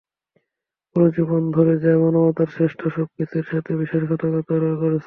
পুরো জীবন ধরে যা মানবতার শ্রেষ্ঠ সব কিছুর সাথে বিশ্বাসঘাতকতা করেছ।